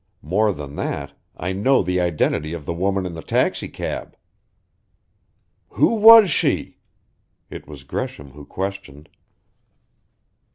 More than that, I know the identity of the woman in the taxicab." "Who was she?" It was Gresham who questioned.